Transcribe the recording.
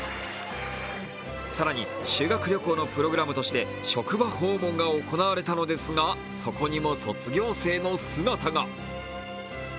更に、修学旅行のプログラムとして職場訪問が行われたのですが、そこにも卒業生の姿が。